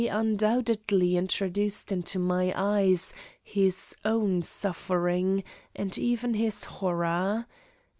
undoubtedly introduced into my eyes his own suffering and even his horror.